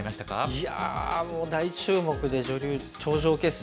いやもう大注目で女流頂上決戦でですね